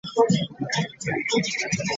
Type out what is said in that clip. Asobola okusiiba nga yeeyanza.